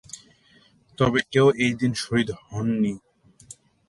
তবে কেউ এদিন শহীদ হননি।